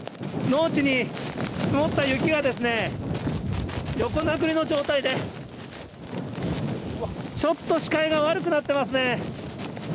農地に積もった雪が横殴りの状態でちょっと視界が悪くなっていますね。